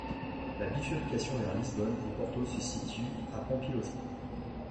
La bifurcation vers Lisbonne et Porto se situe à Pampilhosa.